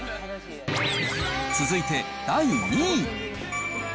続いて、第２位。